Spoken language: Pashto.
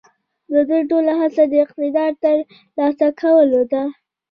د دوی ټوله هڅه د اقتدار د تر لاسه کولو ده.